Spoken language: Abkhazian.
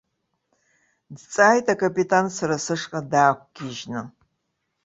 Дҵааит акапитан сара сышҟа даақәгьежьны.